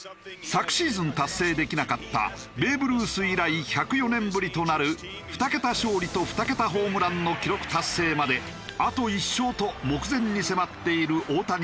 昨シーズン達成できなかったベーブ・ルース以来１０４年ぶりとなる２桁勝利と２桁ホームランの記録達成まであと１勝と目前に迫っている大谷翔平。